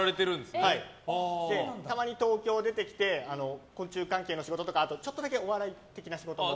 たまに東京出てきて昆虫関係の仕事とかちょっとだけお笑い的な仕事も。